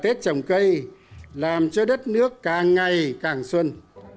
tết trồng cây làm cho đất nước càng ngày càng xuân